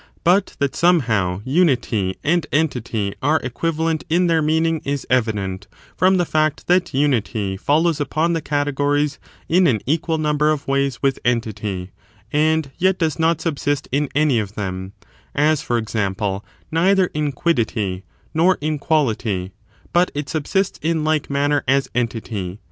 But that somehow unity and entity are g unity and equivalent in their meaning is evident &om the entity equipoi •'fact that unity follows upon the categories in an |J«ti^«^«a" equal number of ways with entity, and yet does not subsist in any of them; as, for example, neither m quiddity nor in quality, but it subsists in like manner as entity.